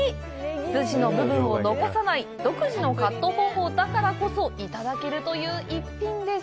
スジの部分を残さない独自のカット方法だからこそいただけるという逸品です。